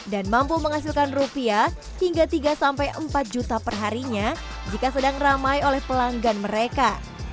dan mampu menghasilkan rupiah hingga tiga sampai empat juta perharinya jika sedang ramai oleh pelanggan mereka